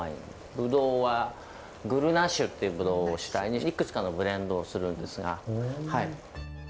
ブドウはグルナ種というブドウを主体にいくつかのブレンドをするんですが。